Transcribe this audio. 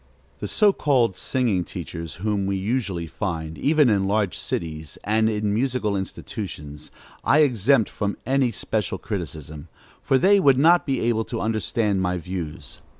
The so called singing teachers whom we usually find, even in large cities and in musical institutions, I exempt from any special criticism, for they would not be able to understand my views.